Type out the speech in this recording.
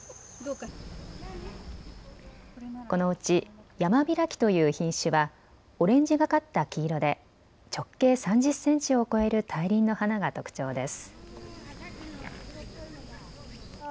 このうち山開きという品種はオレンジがかった黄色で直径３０センチを超える大輪の花が特徴です。